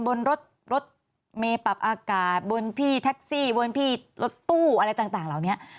บนรถรถเมย์ปรับอากาศบนพี่แท็กซี่บนพี่รถตู้อะไรต่างเหล่านี้